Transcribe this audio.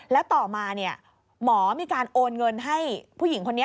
แล้วต่อมาหมอมีการโอนเงินให้ผู้หญิงคนนี้